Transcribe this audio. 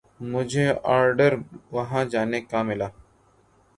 مجھے آرڈر وہاں جانے کا ملا۔